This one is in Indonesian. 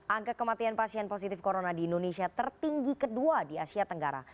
angka kematian pasien positif corona di indonesia tertinggi kedua di asia tenggara